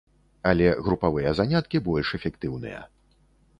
Але групавыя заняткі больш эфектыўныя.